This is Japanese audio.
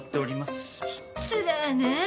失礼ね！